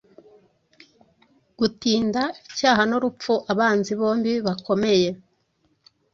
Gutinda Icyaha nurupfu abanzi bombi bakomeye,